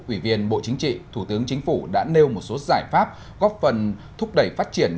ủy viên bộ chính trị thủ tướng chính phủ đã nêu một số giải pháp góp phần thúc đẩy phát triển